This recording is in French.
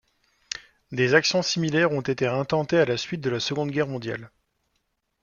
Des actions similiares ont été intentées à la suite de la Seconde Guerre mondiale.